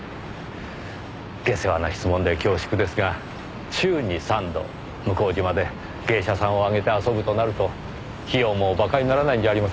下世話な質問で恐縮ですが週に３度向島で芸者さんをあげて遊ぶとなると費用もバカにならないんじゃありませんか？